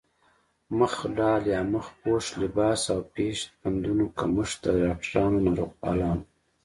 مخ ډال يا مخ پوښ، لباس او پيش بندونو کمښت د ډاکټرانو، ناروغپالانو